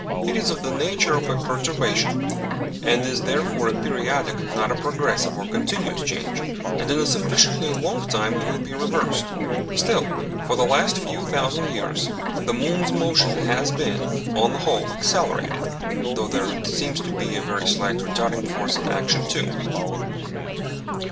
It is of the nature of a perturbation, and is therefore a periodic not a progressive or continuous change, and in a sufficiently long time it will be reversed. Still, for the last few thousand years the moon's motion has been, on the whole, accelerated (though there seems to be a very slight retarding force in action too).